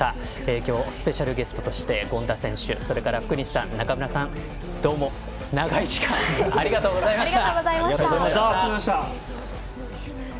今日スペシャルゲストの権田選手それから福西さん、中村さんどうも長い時間ありがとうございました。